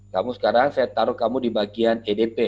kamu sekarang saya taruh kamu di bagian edp